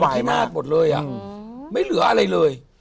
ทั้งที่นาทหมดเลยอะไม่เหลืออะไรเลย